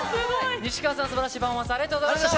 西川さん、すばらしいパフォーマンス、ありがとうございました。